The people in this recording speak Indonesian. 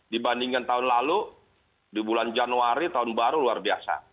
dibandingkan tahun lalu di bulan januari tahun baru luar biasa